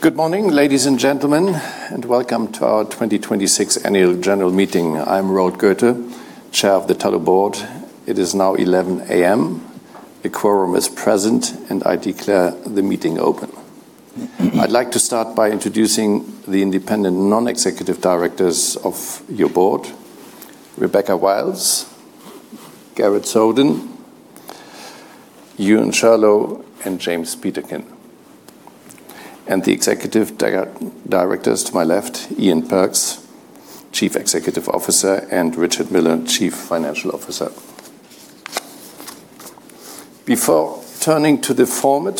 Good morning, ladies and gentlemen, and welcome to our 2026 annual general meeting. I'm Roald Goethe, Chair of the Tullow Board. It is now 11:00 A.M. A quorum is present, and I declare the meeting open. I'd like to start by introducing the independent Non-Executive Directors of your board, Rebecca Wiles, Garrett Soden, Euan Shirlaw, and James Peterkin. The executive directors to my left, Ian Perks, Chief Executive Officer, and Richard Miller, Chief Financial Officer. Before turning to the formal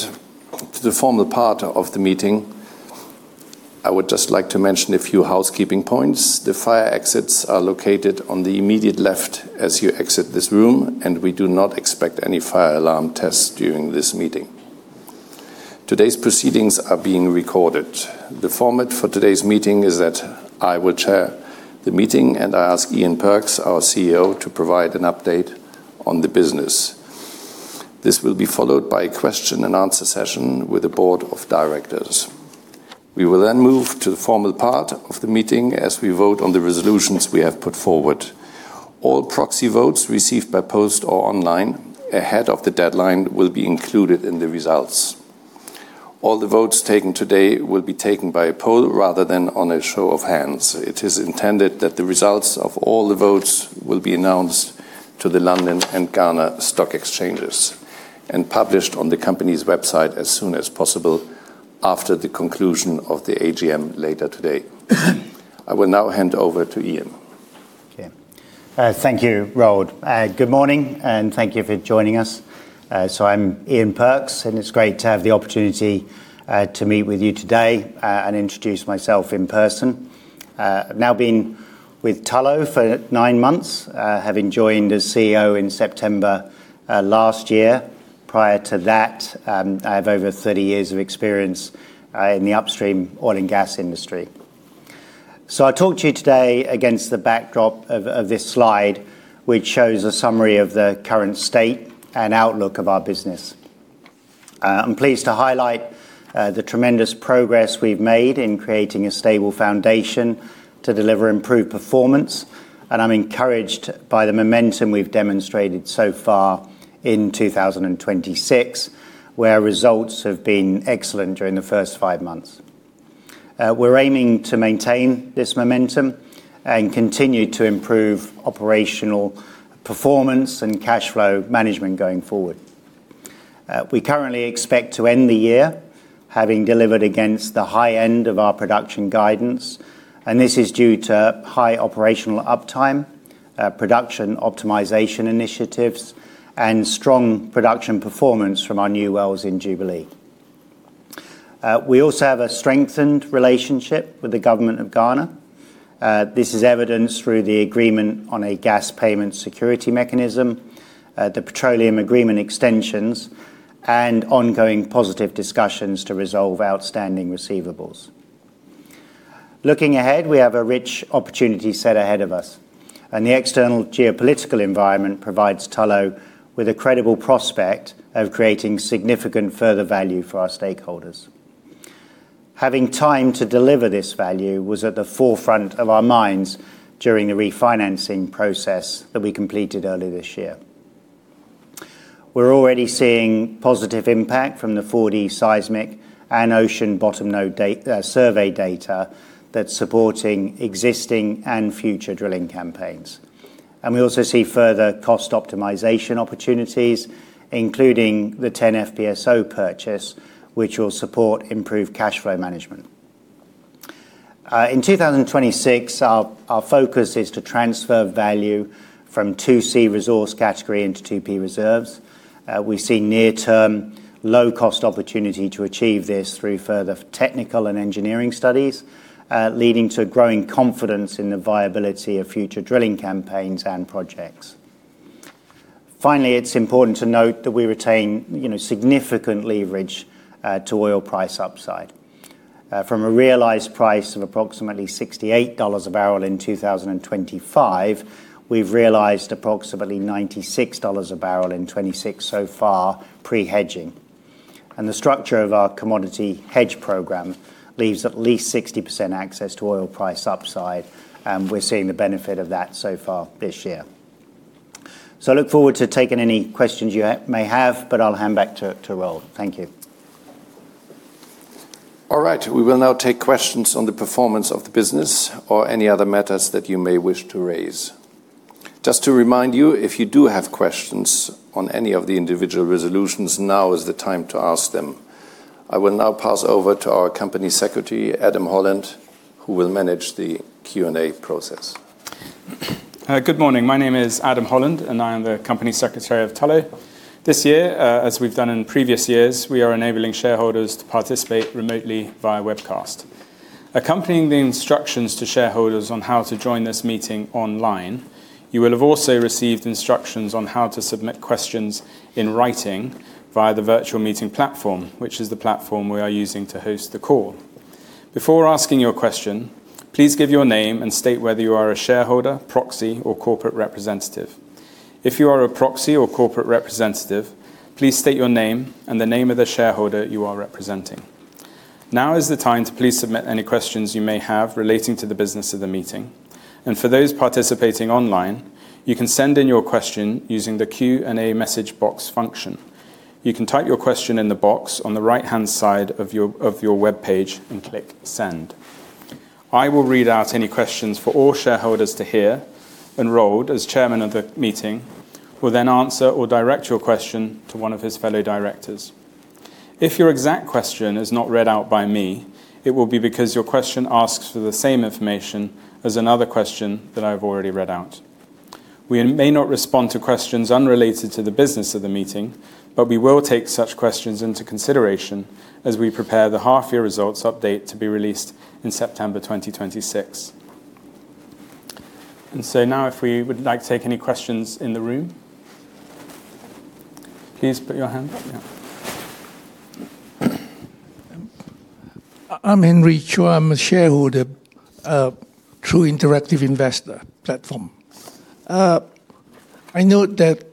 part of the meeting, I would just like to mention a few housekeeping points. The fire exits are located on the immediate left as you exit this room, and we do not expect any fire alarm tests during this meeting. Today's proceedings are being recorded. The format for today's meeting is that I will chair the meeting, and I ask Ian Perks, our CEO, to provide an update on the business. This will be followed by a question and answer session with the board of directors. We will move to the formal part of the meeting as we vote on the resolutions we have put forward. All proxy votes received by post or online ahead of the deadline will be included in the results. All the votes taken today will be taken by poll rather than on a show of hands. It is intended that the results of all the votes will be announced to the London Stock Exchange and Ghana Stock Exchange, and published on the company's website as soon as possible after the conclusion of the AGM later today. I will now hand over to Ian. Thank you, Roald. Good morning, and thank you for joining us. I'm Ian Perks, and it's great to have the opportunity to meet with you today, and introduce myself in person. I've now been with Tullow for nine months, having joined as CEO in September last year. Prior to that, I have over 30 years of experience in the upstream oil and gas industry. I talk to you today against the backdrop of this slide, which shows a summary of the current state and outlook of our business. I'm pleased to highlight the tremendous progress we've made in creating a stable foundation to deliver improved performance, and I'm encouraged by the momentum we've demonstrated so far in 2026, where results have been excellent during the first five months. We're aiming to maintain this momentum and continue to improve operational performance and cash flow management going forward. We currently expect to end the year having delivered against the high end of our production guidance, and this is due to high operational uptime, production optimization initiatives, and strong production performance from our new wells in Jubilee. We also have a strengthened relationship with the government of Ghana. This is evidenced through the agreement on a gas payment security mechanism, the petroleum agreement extensions, and ongoing positive discussions to resolve outstanding receivables. Looking ahead, we have a rich opportunity set ahead of us, and the external geopolitical environment provides Tullow with a credible prospect of creating significant further value for our stakeholders. Having time to deliver this value was at the forefront of our minds during the refinancing process that we completed earlier this year. We're already seeing positive impact from the 4D seismic and ocean bottom node survey data that's supporting existing and future drilling campaigns. We also see further cost optimization opportunities, including the TEN FPSO purchase, which will support improved cash flow management. In 2026, our focus is to transfer value from 2 C resource category into 2 P reserves. We see near-term, low-cost opportunity to achieve this through further technical and engineering studies, leading to growing confidence in the viability of future drilling campaigns and projects. Finally, it's important to note that we retain significant leverage to oil price upside. From a realized price of approximately $68 a barrel in 2025, we've realized approximately $96 a barrel in 2026 so far pre-hedging. The structure of our commodity hedge program leaves at least 60% access to oil price upside, and we're seeing the benefit of that so far this year. I look forward to taking any questions you may have, but I'll hand back to Roald. Thank you. All right. We will now take questions on the performance of the business or any other matters that you may wish to raise. Just to remind you, if you do have questions on any of the individual resolutions, now is the time to ask them. I will now pass over to our Company Secretary, Adam Holland, who will manage the Q&A process. Good morning. My name is Adam Holland, and I am the Company Secretary of Tullow. This year, as we've done in previous years, we are enabling shareholders to participate remotely via webcast. Accompanying the instructions to shareholders on how to join this meeting online, you will have also received instructions on how to submit questions in writing via the virtual meeting platform, which is the platform we are using to host the call. Before asking your question, please give your name and state whether you are a shareholder, proxy, or corporate representative. If you are a proxy or corporate representative, please state your name and the name of the shareholder you are representing. Now is the time to please submit any questions you may have relating to the business of the meeting. For those participating online, you can send in your question using the Q&A message box function. You can type your question in the box on the right-hand side of your webpage and click Send. I will read out any questions for all shareholders to hear, and Roald, as Chairman of the meeting, will then answer or direct your question to one of his fellow directors. If your exact question is not read out by me, it will be because your question asks for the same information as another question that I've already read out. We may not respond to questions unrelated to the business of the meeting, but we will take such questions into consideration as we prepare the half-year results update to be released in September 2026. Now, if we would like to take any questions in the room. Please put your hand up, yeah. I'm Henry Chu. I'm a shareholder through Interactive Investor platform. I note that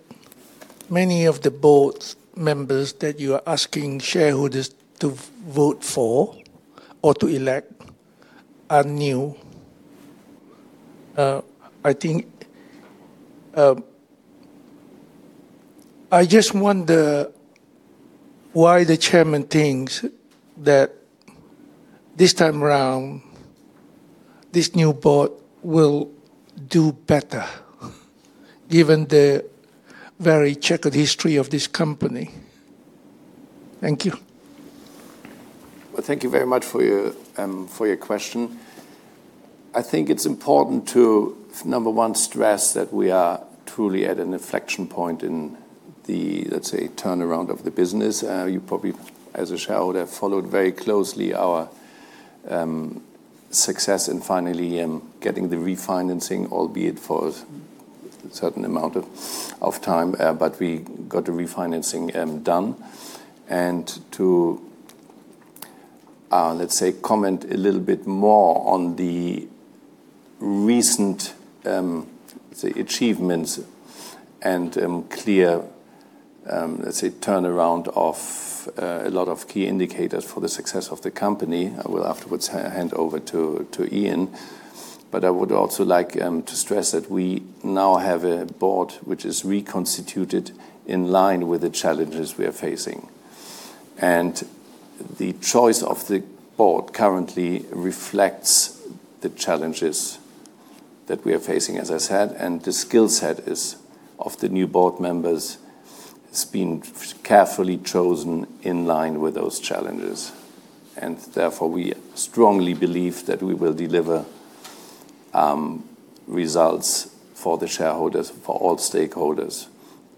many of the board members that you are asking shareholders to vote for or to elect are new. I just wonder why the chairman thinks that this time around, this new board will do better given the very checkered history of this company. Thank you. Well, thank you very much for your question. I think it's important to, number one, stress that we are truly at an inflection point in the, let's say, turnaround of the business. You probably, as a shareholder, followed very closely our success in finally getting the refinancing, albeit for a certain amount of time. We got the refinancing done. To, let's say, comment a little bit more on the recent achievements and clear turnaround of a lot of key indicators for the success of the company. I will afterwards hand over to Ian. I would also like to stress that we now have a board which is reconstituted in line with the challenges we are facing. The choice of the board currently reflects the challenges that we are facing, as I said, and the skill set of the new board members has been carefully chosen in line with those challenges. Therefore, we strongly believe that we will deliver results for the shareholders, for all stakeholders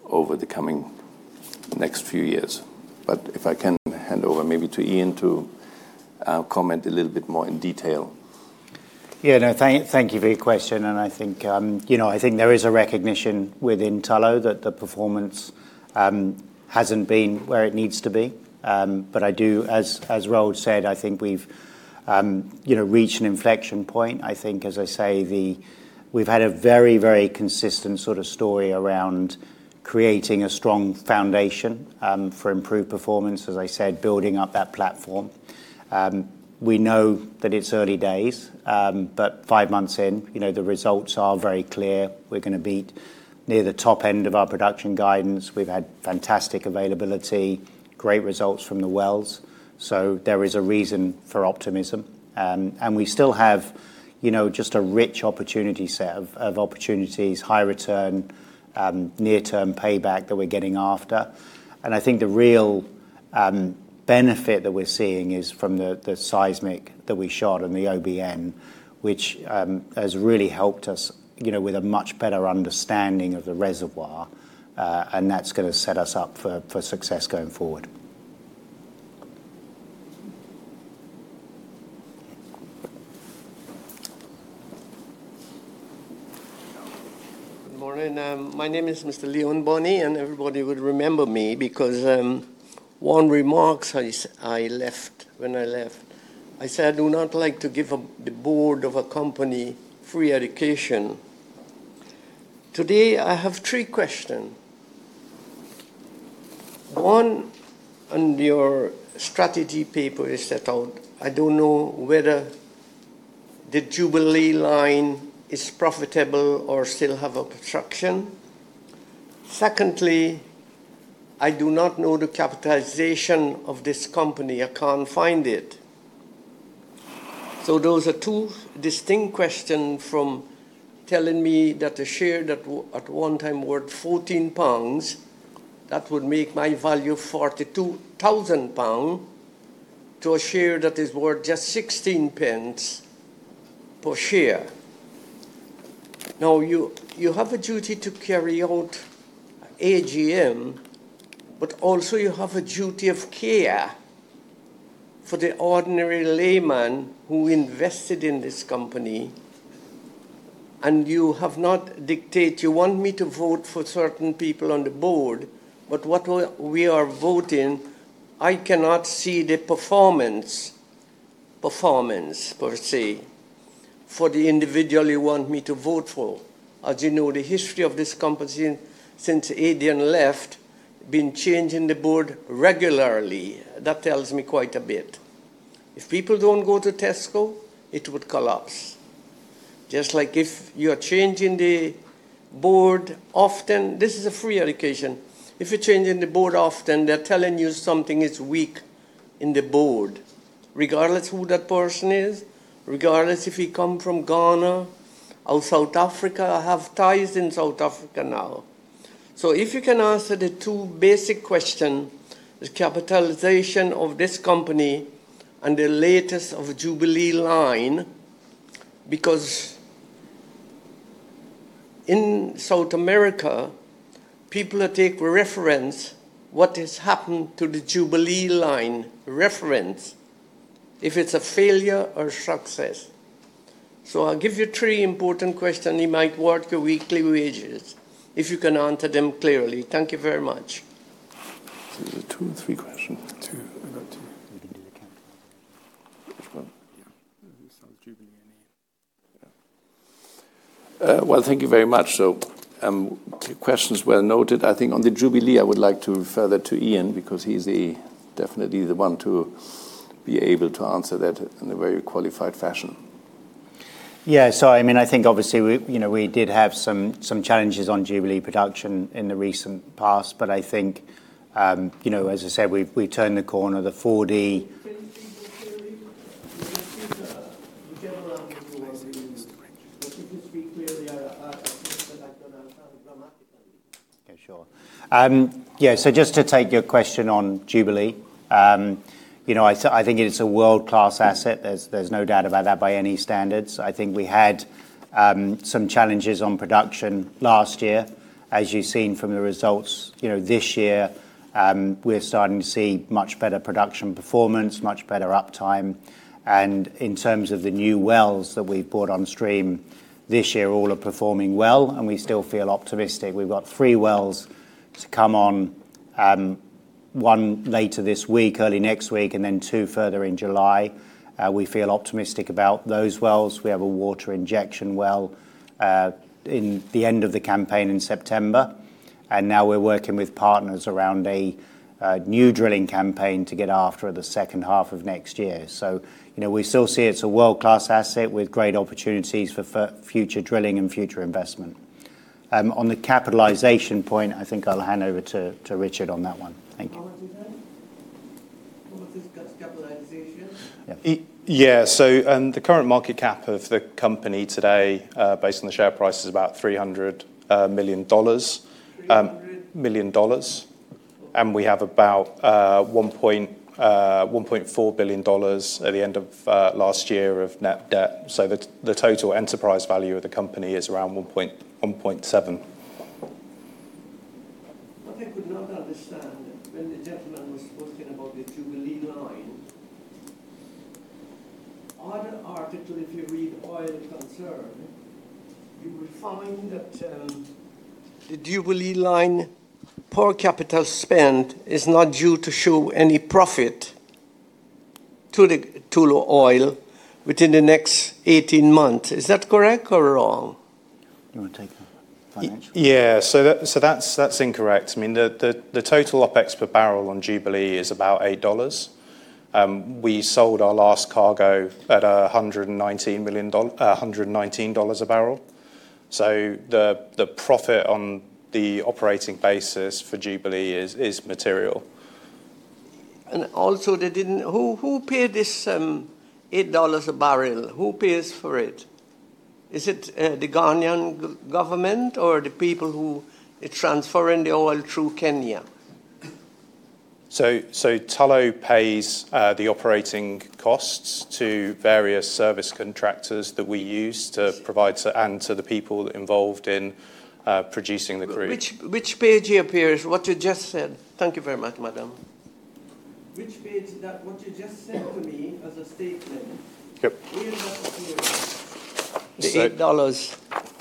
over the coming next few years. If I can hand over maybe to Ian to comment a little bit more in detail. Yeah, no, thank you for your question. I think there is a recognition within Tullow that the performance hasn't been where it needs to be. I do, as Roald said, I think we've reached an inflection point. I think, as I say, we've had a very consistent sort of story around creating a strong foundation for improved performance, as I said, building up that platform. We know that it's early days, but five months in, the results are very clear. We're going to be near the top end of our production guidance. We've had fantastic availability, great results from the wells, there is a reason for optimism. We still have just a rich opportunity set of opportunities, high return, near-term payback that we're getting after. I think the real benefit that we're seeing is from the seismic that we shot and the OBN, which has really helped us with a much better understanding of the reservoir. That's going to set us up for success going forward. Good morning. My name is Mr. Leon Bonney, and everybody would remember me because one remark when I left, I said, "I do not like to give the board of a company free education." Today, I have three questions. One, on your strategy paper is set out, I don't know whether the Jubilee field is profitable or still have obstruction. Secondly, I do not know the capitalization of this company. I can't find it. Those are two distinct questions from telling me that a share that at one time worth 14 pounds, that would make my value 42,000 pounds, to a share that is worth just 0.16 per share. You have a duty to carry out AGM, but also you have a duty of care for the ordinary layman who invested in this company. You have not dictate. You want me to vote for certain people on the board, what we are voting, I cannot see the performance per se. For the individual you want me to vote for. As you know, the history of this company since Aidan left, been changing the board regularly. That tells me quite a bit. If people don't go to Tesco, it would collapse. Just like if you are changing the board often, this is a free allocation. If you're changing the board often, they're telling you something is weak in the board, regardless who that person is, regardless if he come from Ghana or South Africa. I have ties in South Africa now. If you can answer the 2 basic questions, the capitalization of this company and the latest of Jubilee field. Because in South America, people take reference what has happened to the Jubilee field. Reference if it's a failure or success. I'll give you 3 important questions. You might work your weekly wages if you can answer them clearly. Thank you very much. Is it two or three questions? Two. I wrote two. You can do the capital. Which one? Yeah. The South Jubilee. Yeah. Well, thank you very much. Questions well noted. I think on the Jubilee, I would like to refer that to Ian because he's definitely the one to be able to answer that in a very qualified fashion. Yeah. I think obviously, we did have some challenges on Jubilee production in the recent past. I think, as I said, we turned the corner. Can you speak more clearly? The gentleman before you. I think he has the range. You can speak clearly. I think that I cannot understand grammatically. Okay. Sure. Yeah. Just to take your question on Jubilee. I think it is a world-class asset. There's no doubt about that by any standards. I think we had some challenges on production last year. As you've seen from the results this year, we're starting to see much better production performance, much better uptime. In terms of the new wells that we've brought on stream this year, all are performing well, and we still feel optimistic. We've got three wells to come on. One later this week, early next week, and then two further in July. We feel optimistic about those wells. We have a water injection well in the end of the campaign in September. Now we're working with partners around a new drilling campaign to get after the second half of next year. We still see it as a world-class asset with great opportunities for future drilling and future investment. On the capitalization point, I think I'll hand over to Richard on that one. Thank you. What was it then? What was this capitalization? Yeah. Yeah. The current market cap of the company today, based on the share price, is about $300 million. $300? Million dollars. We have about $1.4 billion at the end of last year of net debt. The total enterprise value of the company is around $1.7 billion. What I could not understand when the gentleman was talking about the Jubilee field. On an article, if you read Oil & Concern, you will find that the Jubilee field per capital spend is not due to show any profit to Tullow Oil within the next 18 months. Is that correct or wrong? You want to take the financial? Yeah. That's incorrect. The total OPEX per barrel on Jubilee is about $8. We sold our last cargo at $119 a barrel. The profit on the operating basis for Jubilee is material. Also, who paid this $8 a barrel? Who pays for it? Is it the Ghanaian government or the people who are transferring the oil through Kenya? Tullow pays the operating costs to various service contractors that we use to provide and to the people involved in producing the crude. Which page it appears what you just said? Thank you very much, madam. Which page that what you just said to me as a statement? Okay. Where does that appear? The $8.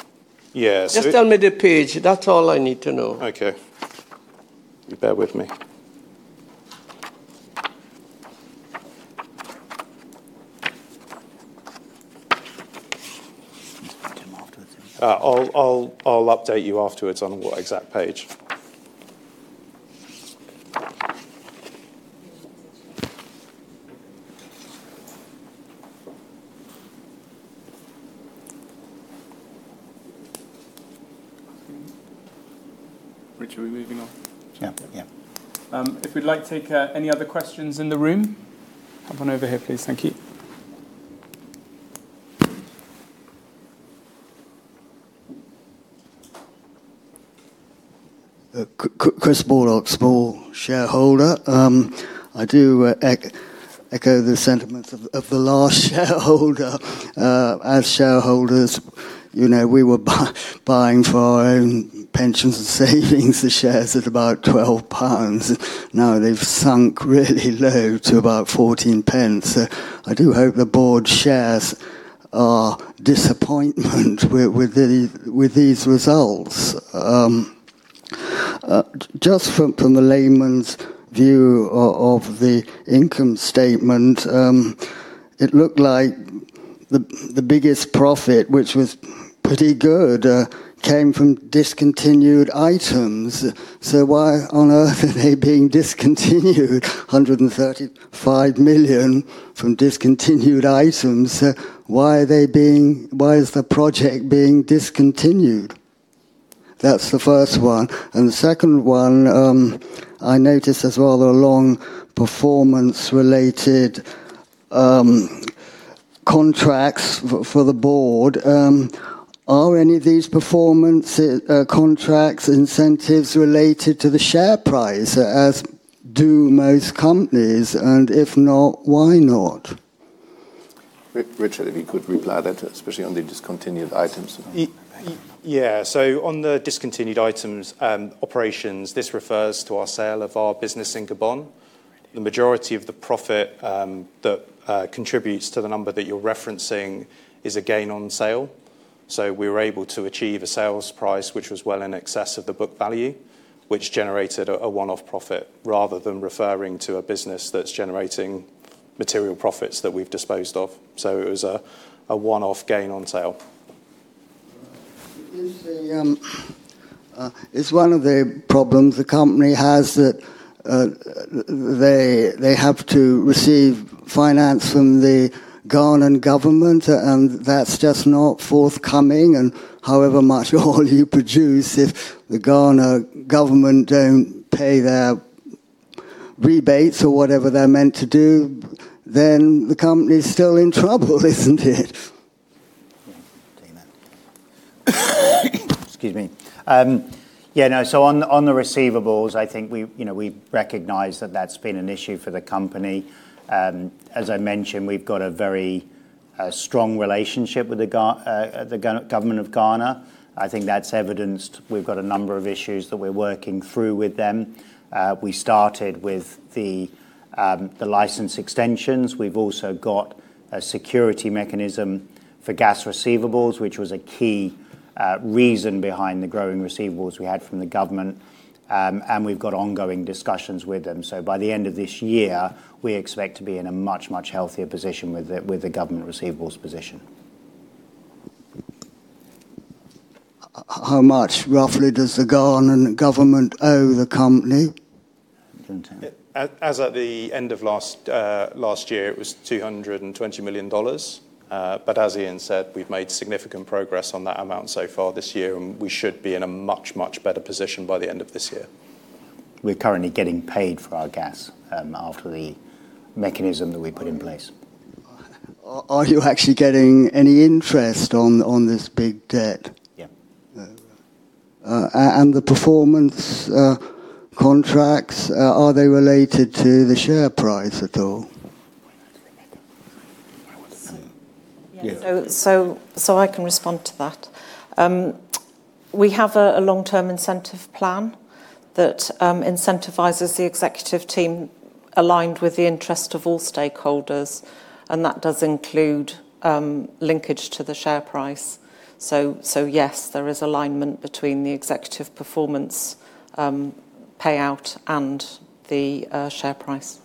Yeah. Just tell me the page. That's all I need to know. Okay. Bear with me. Just get him afterwards. I'll update you afterwards on what exact page. Rich, are we moving on? Yeah. We'd like to take any other questions in the room. Have one over here, please. Thank you. Chris Bullock, small shareholder. I do echo the sentiments of the last shareholder. As shareholders, we were buying for our own pensions and savings the shares at about 12 pounds. Now they've sunk really low to about 0.14. I do hope the board shares are disappointment with these results. Just from the layman's view of the income statement, it looked like the biggest profit, which was pretty good, came from discontinued operations. Why on earth are they being discontinued? $135 million from discontinued operations. Why is the project being discontinued? That's the first one. The second one, I notice as well the long performance-related contracts for the board. Are any of these performance contracts incentives related to the share price, as do most companies? If not, why not? Richard, if you could reply that, especially on the discontinued operations. Yeah. On the discontinued operations, this refers to our sale of our business in Gabon. The majority of the profit that contributes to the number that you're referencing is a gain on sale. We were able to achieve a sales price which was well in excess of the book value, which generated a one-off profit, rather than referring to a business that's generating material profits that we've disposed of. It was a one-off gain on sale. Is one of the problems the company has that they have to receive finance from the Ghanaian government and that's just not forthcoming and however much oil you produce, if the Ghanaian government don't pay their rebates or whatever they're meant to do, then the company's still in trouble, isn't it? Yeah. Tina. Excuse me. Yeah. No. On the receivables, I think we recognize that that's been an issue for the company. As I mentioned, we've got a very strong relationship with the government of Ghana. I think that's evidenced. We've got a number of issues that we're working through with them. We started with the license extensions. We've also got a security mechanism for gas receivables, which was a key reason behind the growing receivables we had from the government. We've got ongoing discussions with them. By the end of this year, we expect to be in a much, much healthier position with the government receivables position. How much, roughly, does the Ghanaian government owe the company? Antony. As at the end of last year, it was $220 million. As Ian said, we've made significant progress on that amount so far this year, and we should be in a much, much better position by the end of this year. We're currently getting paid for our gas after the mechanism that we put in place. Are you actually getting any interest on this big debt? Yeah. The performance contracts, are they related to the share price at all? Why not? Yeah. I can respond to that. We have a long-term incentive plan that incentivizes the executive team aligned with the interest of all stakeholders, and that does include linkage to the share price. Yes, there is alignment between the executive performance payout and the share price.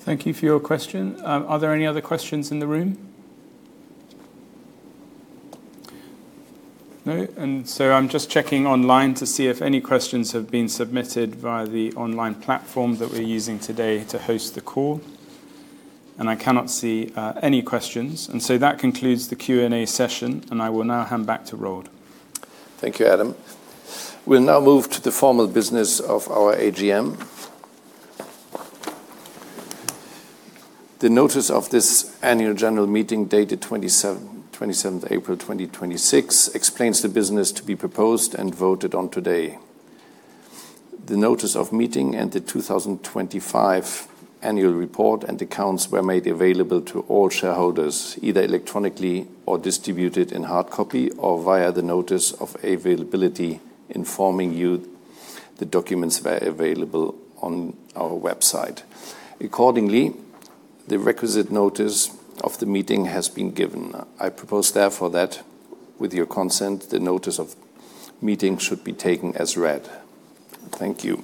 Thank you for your question. Are there any other questions in the room? No. I'm just checking online to see if any questions have been submitted via the online platform that we're using today to host the call. I cannot see any questions. That concludes the Q&A session, and I will now hand back to Roald. Thank you, Adam. We'll now move to the formal business of our AGM. The notice of this annual general meeting dated 27th April 2026 explains the business to be proposed and voted on today. The notice of meeting and the 2025 annual report and accounts were made available to all shareholders, either electronically or distributed in hard copy or via the notice of availability informing you the documents were available on our website. Accordingly, the requisite notice of the meeting has been given. I propose therefore that, with your consent, the notice of meeting should be taken as read. Thank you.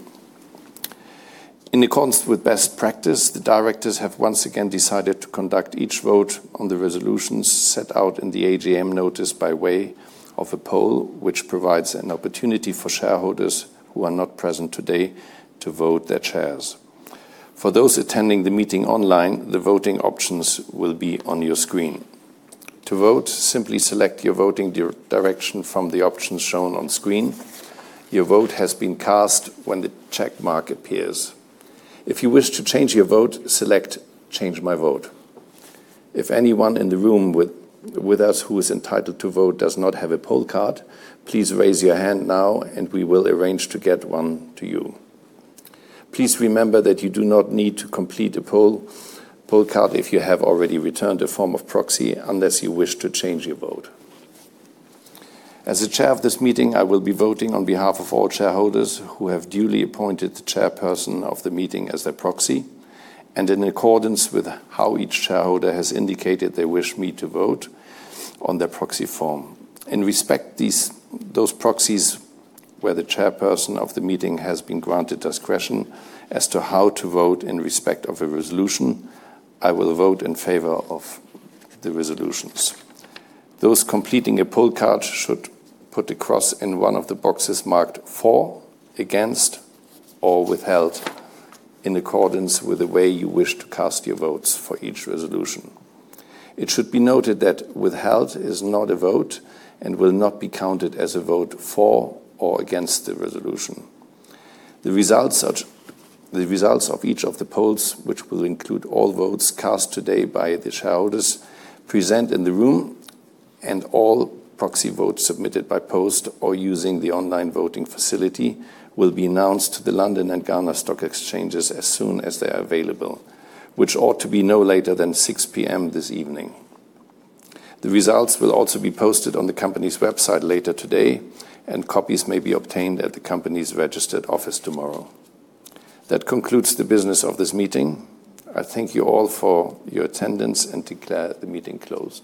In accordance with best practice, the directors have once again decided to conduct each vote on the resolutions set out in the AGM notice by way of a poll, which provides an opportunity for shareholders who are not present today to vote their shares. For those attending the meeting online, the voting options will be on your screen. To vote, simply select your voting direction from the options shown on screen. Your vote has been cast when the check mark appears. If you wish to change your vote, select Change my vote. If anyone in the room with us who is entitled to vote does not have a poll card, please raise your hand now, and we will arrange to get one to you. Please remember that you do not need to complete a poll card if you have already returned a form of proxy, unless you wish to change your vote. As the chair of this meeting, I will be voting on behalf of all shareholders who have duly appointed the chairperson of the meeting as their proxy, and in accordance with how each shareholder has indicated they wish me to vote on their proxy form. In respect those proxies where the chairperson of the meeting has been granted discretion as to how to vote in respect of a resolution, I will vote in favor of the resolutions. Those completing a poll card should put a cross in one of the boxes marked For, Against, or Withheld in accordance with the way you wish to cast your votes for each resolution. It should be noted that Withheld is not a vote and will not be counted as a vote for or against the resolution. The results of each of the polls, which will include all votes cast today by the shareholders present in the room and all proxy votes submitted by post or using the online voting facility, will be announced to the London and Ghana stock exchanges as soon as they are available, which ought to be no later than 6:00 P.M. this evening. The results will also be posted on the company's website later today. Copies may be obtained at the company's registered office tomorrow. That concludes the business of this meeting. I thank you all for your attendance and declare the meeting closed